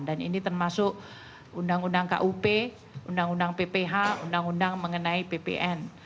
dan ini termasuk undang undang kup undang undang pph undang undang mengenai ppn